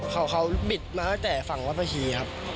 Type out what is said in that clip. เขาบิดมาตั้งแต่ฝั่งวัดพระคีครับ